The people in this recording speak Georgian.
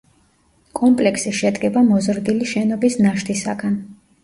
კომპლექსი შედგება მოზრდილი შენობის ნაშთისაგან.